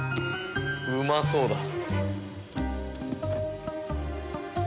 うまそうだ。